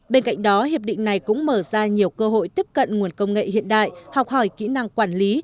bên cạnh đó hiệp định này cũng mở ra nhiều cơ hội tiếp cận nguồn công nghệ hiện đại học hỏi kỹ năng quản lý